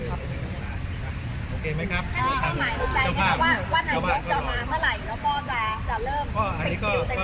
อ่าอันนั้นก็แล้วครับนะครับ